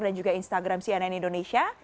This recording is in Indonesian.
dan juga instagram sianen indonesia